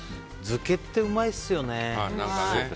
漬けってうまいですよね。